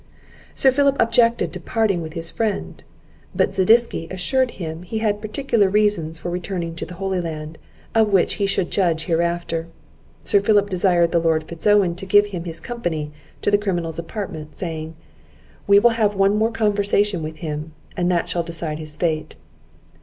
Sir Philip objected to parting with his friend; but Zadisky assured him he had particular reasons for returning to the Holy Land, of which he should be judge hereafter. Sir Philip desired the Lord Fitz Owen to give him his company to the criminal's apartment, saying, "We will have one more conversation with him, and that shall decide his fate."